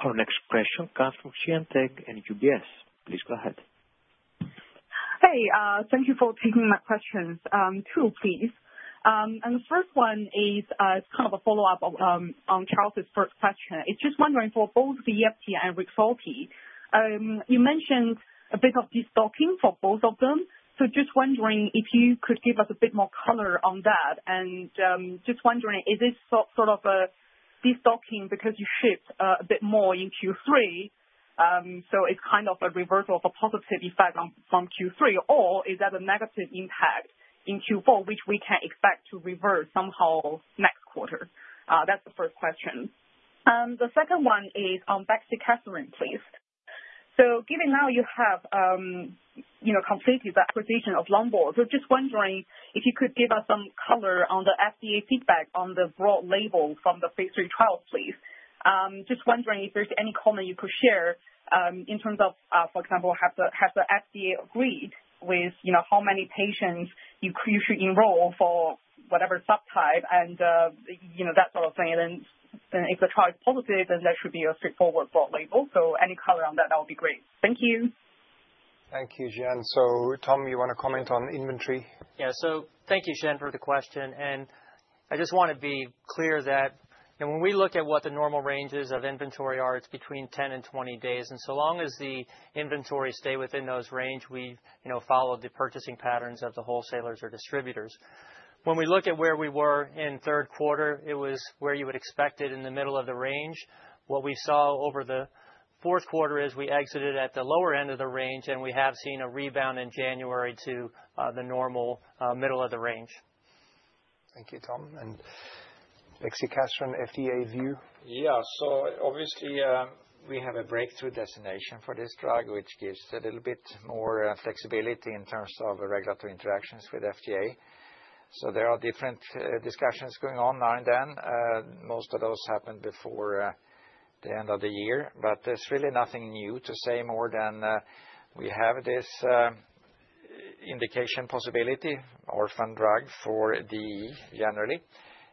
Our next question comes from Xian Deng at UBS. Please go ahead. Hey, thank you for taking my questions too, please. And the first one is kind of a follow-up on Charles' first question. It's just wondering for both Vyepti and Rexulti, you mentioned a bit of destocking for both of them. So just wondering if you could give us a bit more color on that. And just wondering, is this sort of a destocking because you shipped a bit more in Q3? So it's kind of a reversal of a positive effect from Q3, or is that a negative impact in Q4, which we can expect to reverse somehow next quarter? That's the first question. The second one is on Bexicaserin, please. So given now you have completed the acquisition of Longboard, so just wondering if you could give us some color on the FDA feedback on the broad label from the phase III trials, please. Just wondering if there's any comment you could share in terms of, for example, has the FDA agreed with how many patients you should enroll for whatever subtype and that sort of thing? And then if the trial is positive, then that should be a straightforward broad label. So any color on that, that would be great. Thank you. Thank you, Xian. So Tom, you want to comment on inventory? Yeah, so thank you, Xian, for the question, and I just want to be clear that when we look at what the normal ranges of inventory are, it's between 10 and 20 days, and so long as the inventory stays within those ranges, we follow the purchasing patterns of the wholesalers or distributors. When we look at where we were in third quarter, it was where you would expect it in the middle of the range. What we saw over the fourth quarter is we exited at the lower end of the range, and we have seen a rebound in January to the normal middle of the range. Thank you, Tom. And Bexicaserin, FDA view? Yeah. So obviously, we have a breakthrough designation for this drug, which gives a little bit more flexibility in terms of regulatory interactions with FDA. So there are different discussions going on now and then. Most of those happened before the end of the year. But there's really nothing new to say more than we have this indication possibility, orphan drug for DEE generally.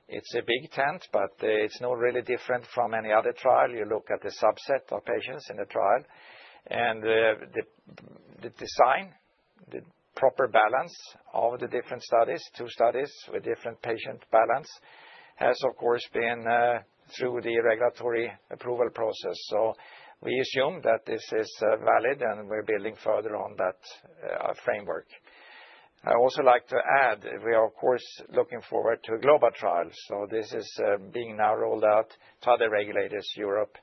It's a big tent, but it's not really different from any other trial. You look at the subset of patients in the trial. And the design, the proper balance of the different studies, two studies with different patient balance, has of course been through the regulatory approval process. So we assume that this is valid and we're building further on that framework. I also like to add, we are of course looking forward to a global trial. So this is being now rolled out to other regulators, Europe,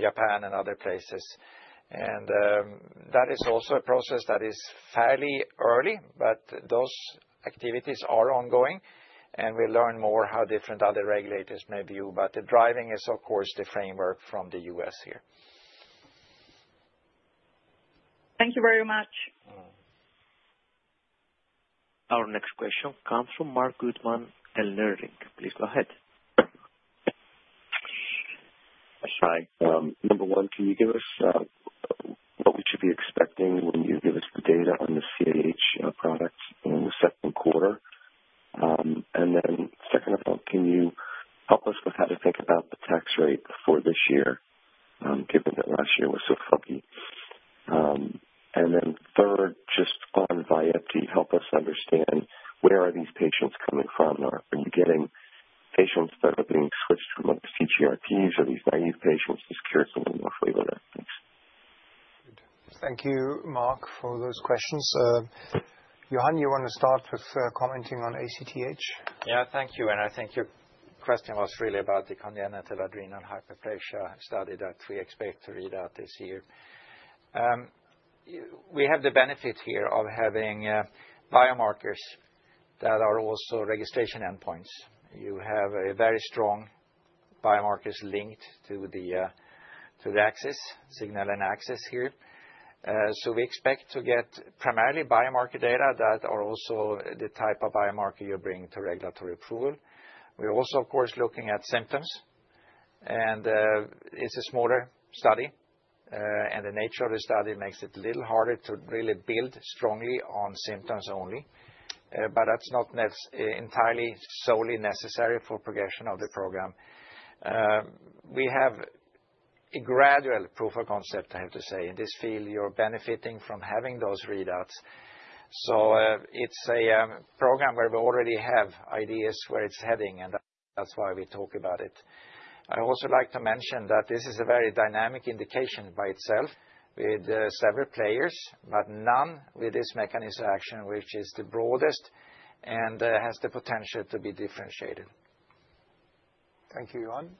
Japan, and other places. And that is also a process that is fairly early, but those activities are ongoing. And we'll learn more how different other regulators may view. But the driving is of course the framework from the U.S. here. Thank you very much. Our next question comes from Marc Goodman, Leerink. Please go ahead. Hi. Number one, can you give us what we should be expecting when you give us the data on the CAH product in the second quarter? And then second of all, can you help us with how to think about the tax rate for this year, given that last year was so lofty? And then third, just on Vyepti, help us understand where are these patients coming from? Are you getting patients that are being switched from other CGRPs or these naive patients? Just curious to know more flavor there. Thanks. Thank you, Marc, for those questions. Johan, you want to start with commenting on ACTH? Yeah, thank you, and I think your question was really about the congenital adrenal hyperplasia study that we expect to read out this year. We have the benefit here of having biomarkers that are also registration endpoints. You have very strong biomarkers linked to the ACTH signal and axis here. So we expect to get primarily biomarker data that are also the type of biomarker you bring to regulatory approval. We're also, of course, looking at symptoms, and it's a smaller study, and the nature of the study makes it a little harder to really build strongly on symptoms only. But that's not entirely solely necessary for progression of the program. We have a solid proof of concept, I have to say. In this field, you're benefiting from having those readouts. So it's a program where we already have ideas where it's heading, and that's why we talk about it. I also like to mention that this is a very dynamic indication by itself with several players, but none with this mechanism of action, which is the broadest and has the potential to be differentiated. Thank you, Johan.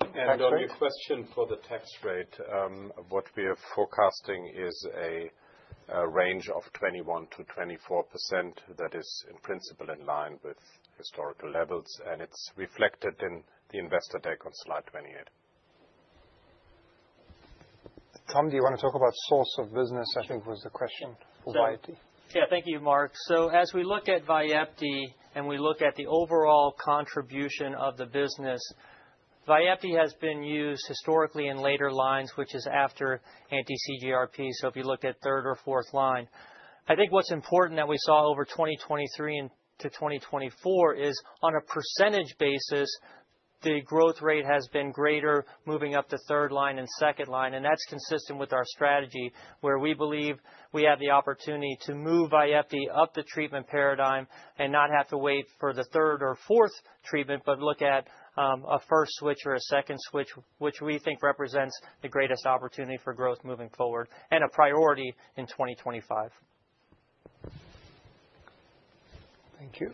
On your question for the tax rate, what we are forecasting is a range of 21%-24% that is in principle in line with historical levels. It's reflected in the investor deck on slide 28. Tom, do you want to talk about source of business, I think was the question for Vyepti? Yeah, thank you, Marc. So as we look at Vyepti and we look at the overall contribution of the business, Vyepti has been used historically in later lines, which is after anti-CGRP. So if you look at third or fourth line, I think what's important that we saw over 2023 to 2024 is on a percentage basis, the growth rate has been greater moving up to third line and second line. And that's consistent with our strategy where we believe we have the opportunity to move Vyepti up the treatment paradigm and not have to wait for the third or fourth treatment, but look at a first switch or a second switch, which we think represents the greatest opportunity for growth moving forward and a priority in 2025. Thank you.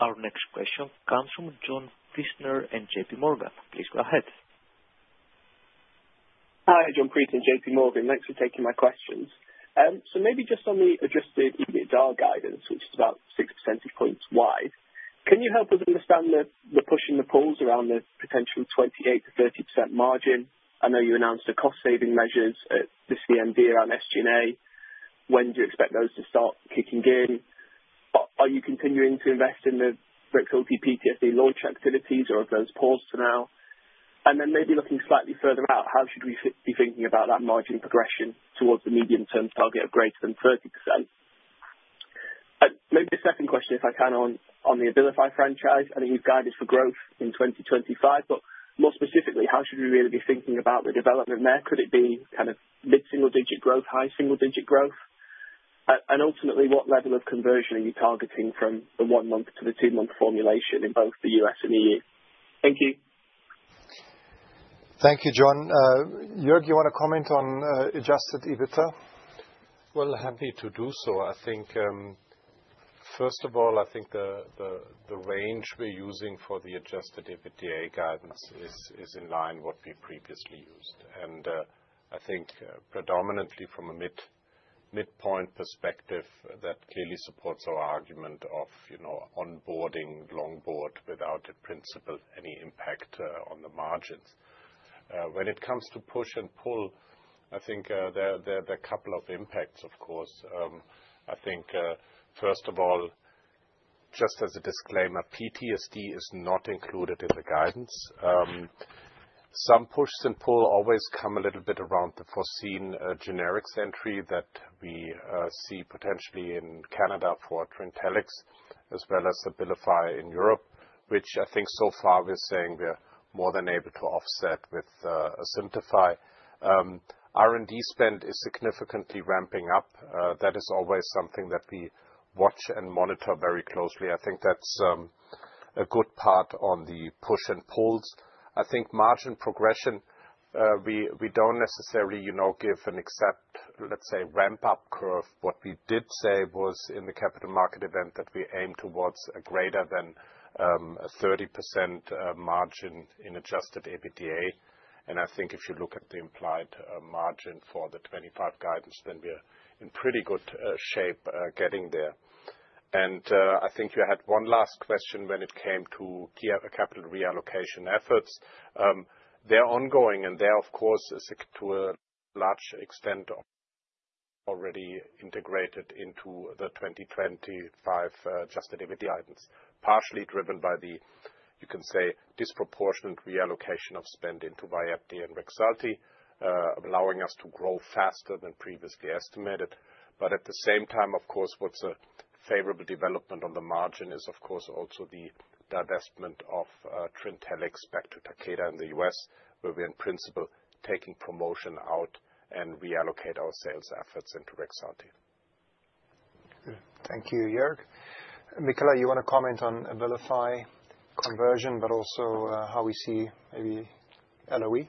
Our next question comes from John Priestner, J.P. Morgan. Please go ahead. Hi, John Priestner J.P. Morgan. Thanks for taking my questions. So maybe just on the adjusted EBITDA guidance, which is about 6 percentage points wide, can you help us understand the push and the pulls around the potential 28%-30% margin? I know you announced the cost-saving measures at this year and beyond SG&A. When do you expect those to start kicking in? Are you continuing to invest in the Rexulti PTSD launch activities, or have those paused for now? And then maybe looking slightly further out, how should we be thinking about that margin progression towards the medium-term target of greater than 30%? Maybe a second question, if I can, on the Abilify franchise. I think you've guided for growth in 2025, but more specifically, how should we really be thinking about the development there? Could it be kind of mid-single-digit growth, high single-digit growth? Ultimately, what level of conversion are you targeting from the one-month to the two-month formulation in both the U.S. and E.U.? Thank you. Thank you, John. Joerg, you want to comment on adjusted EBITDA? Happy to do so. I think, first of all, I think the range we're using for the adjusted EBITDA guidance is in line with what we previously used. I think predominantly from a mid-point perspective, that clearly supports our argument of onboarding Longboard without principally any impact on the margins. When it comes to push and pull, I think there are a couple of impacts, of course. I think, first of all, just as a disclaimer, PTSD is not included in the guidance. Some push and pull always come a little bit around the foreseen generics entry that we see potentially in Canada for Trintellix, as well as Abilify in Europe, which I think so far we're saying we're more than able to offset with Asimtufii. R&D spend is significantly ramping up. That is always something that we watch and monitor very closely. I think that's a good part on the push and pulls. I think margin progression, we don't necessarily give an exact, let's say, ramp-up curve. What we did say was in the capital market event that we aim towards a greater than 30% margin in adjusted EBITDA. And I think if you look at the implied margin for the 2025 guidance, then we're in pretty good shape getting there. And I think you had one last question when it came to capital reallocation efforts. They're ongoing, and they're, of course, to a large extent already integrated into the 2025 adjusted EBITDA guidance, partially driven by the, you can say, disproportionate reallocation of spend into Vyepti and Rexulti, allowing us to grow faster than previously estimated. But at the same time, of course, what's a favorable development on the margin is, of course, also the divestment of Trintellix back to Takeda in the U.S., where we're in principle taking promotion out and reallocate our sales efforts into Rexulti. Thank you, Joerg. Michala, you want to comment on Abilify conversion, but also how we see maybe LOE?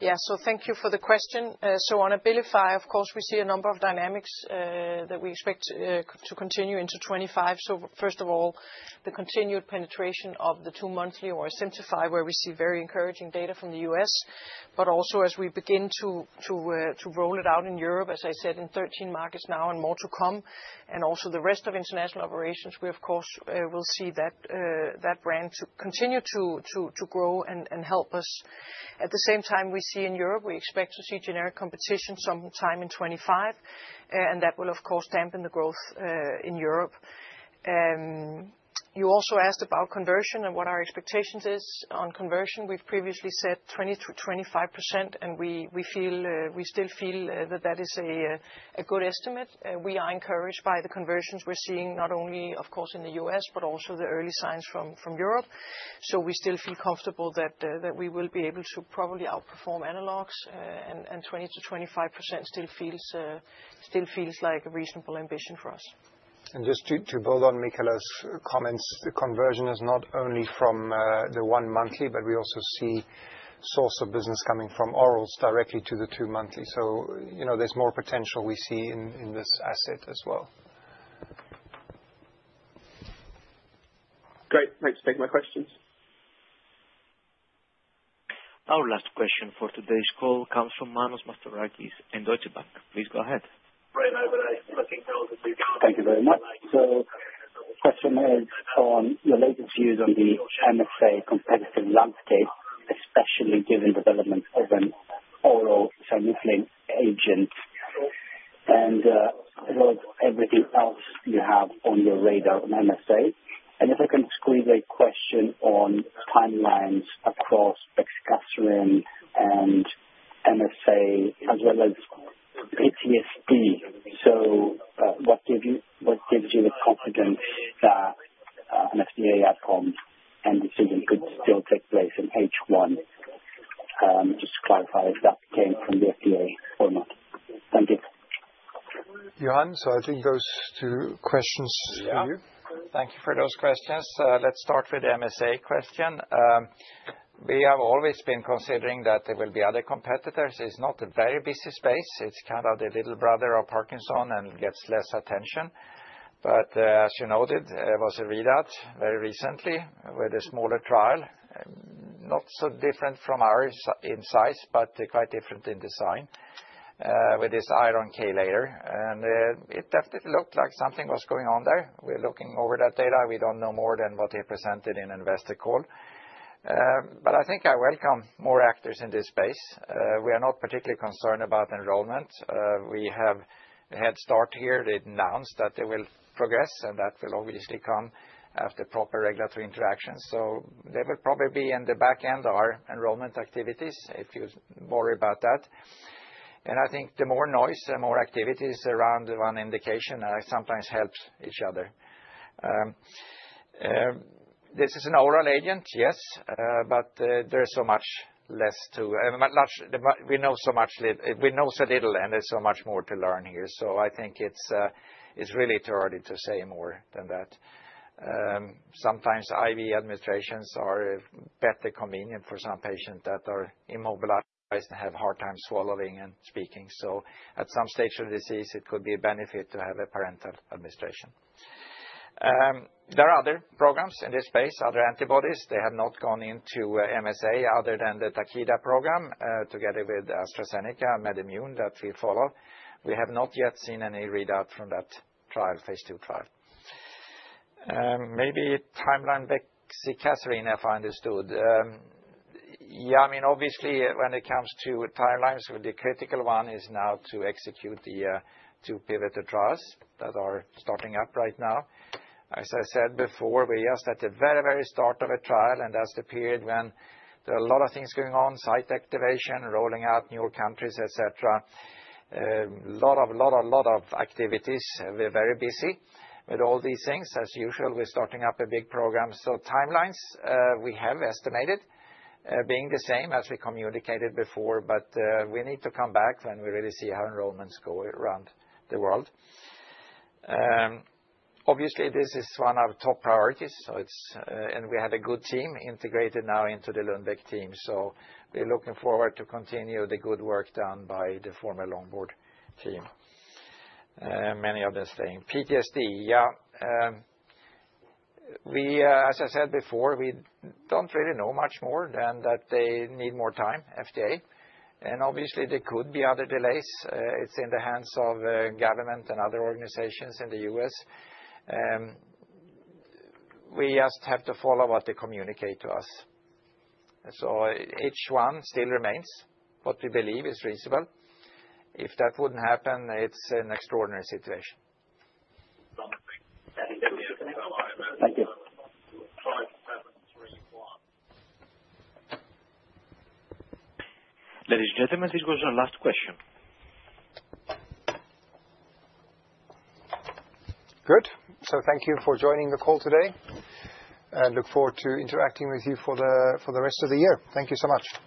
Yeah, so thank you for the question. So on Abilify, of course, we see a number of dynamics that we expect to continue into 2025. So first of all, the continued penetration of the two-monthly or Asimtufii, where we see very encouraging data from the U.S., but also as we begin to roll it out in Europe, as I said, in 13 markets now and more to come, and also the rest of international operations, we, of course, will see that brand continue to grow and help us. At the same time, we see in Europe, we expect to see generic competition sometime in 2025, and that will, of course, dampen the growth in Europe. You also asked about conversion and what our expectations are on conversion. We've previously said 20%-25%, and we still feel that that is a good estimate. We are encouraged by the conversions we're seeing, not only, of course, in the U.S., but also the early signs from Europe. So we still feel comfortable that we will be able to probably outperform analogs, and 20%-25% still feels like a reasonable ambition for us. And just to build on Michala's comments, the conversion is not only from the one-monthly, but we also see source of business coming from orals directly to the two-monthly. So there's more potential we see in this asset as well. Great. Thanks for taking my questions. Our last question for today's call comes from Manos Mastorakis at Deutsche Bank. Please go ahead. Thank you very much. The question is on your latest views on the MSA competitive landscape, especially given the development of an oral small molecule agent and everything else you have on your radar on MSA, and if I can squeeze a question on timelines across Bexicaserin and MSA, as well as PTSD. What gives you the confidence that an FDA outcome and decision could still take place in H1? Just to clarify, that came from the FDA or not? Thank you. Johan, so I think those two questions for you. Thank you for those questions. Let's start with the MSA question. We have always been considering that there will be other competitors. It's not a very busy space. It's kind of the little brother of Parkinson's and gets less attention. But as you noted, there was a readout very recently with a smaller trial, not so different from ours in size, but quite different in design, with this iron chelator. And it definitely looked like something was going on there. We're looking over that data. We don't know more than what they presented in investor call. But I think I welcome more actors in this space. We are not particularly concerned about enrollment. We have a head start here. They announced that they will progress, and that will obviously come after proper regulatory interactions. So they will probably be in the back end of our enrollment activities, if you worry about that. And I think the more noise, the more activities around one indication, and it sometimes helps each other. This is an oral agent, yes, but there's so much less to it. We know so much, we know so little, and there's so much more to learn here. So I think it's really too early to say more than that. Sometimes IV administrations are more convenient for some patients that are immobilized and have a hard time swallowing and speaking. So at some stage of the disease, it could be a benefit to have a parenteral administration. There are other programs in this space, other antibodies. They have not gone into MSA other than the Takeda program together with AstraZeneca and MedImmune that we follow. We have not yet seen any readout from that trial, phase II trial. Maybe timeline Bexicaserin, if I understood. Yeah, I mean, obviously, when it comes to timelines, the critical one is now to execute the two pivotal trials that are starting up right now. As I said before, we're just at the very, very start of a trial, and that's the period when there are a lot of things going on, site activation, rolling out newer countries, etc. A lot of, a lot of, a lot of activities. We're very busy with all these things. As usual, we're starting up a big program. So timelines, we have estimated being the same as we communicated before, but we need to come back when we really see how enrollments go around the world. Obviously, this is one of our top priorities. And we have a good team integrated now into the Lundbeck team. So we're looking forward to continue the good work done by the former Longboard team. Many others staying. PTSD, yeah. As I said before, we don't really know much more than that they need more time, FDA. And obviously, there could be other delays. It's in the hands of government and other organizations in the U.S. We just have to follow what they communicate to us. So H1 still remains what we believe is reasonable. If that wouldn't happen, it's an extraordinary situation. Thank you. Ladies and gentlemen, this was our last question. Good. So, thank you for joining the call today and look forward to interacting with you for the rest of the year. Thank you so much.